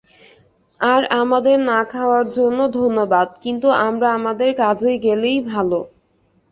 আর আমাদের না খাওয়ার জন্য ধন্যবাদ, কিন্তু আমরা আমাদের কাজেই গেলেই ভালো।